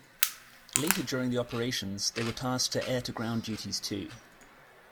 Later during the operations, they were tasked to air to ground duties too.